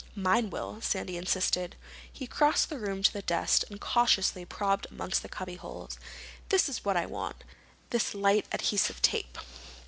"Mine will," Sandy insisted. He crossed the room to the desk and cautiously prodded among its cubbyholes. "This is what I want—this light adhesive tape."